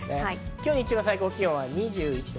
今日、日中の最高気温は２１度。